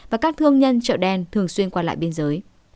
và các thương nhân chợ đen thường xuyên qua lại biên giới